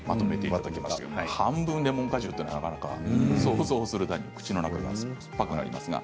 半分レモン果汁というのは想像するだけで口の中が酸っぱくなりますが。